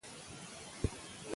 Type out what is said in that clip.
سپي بښنه غوښته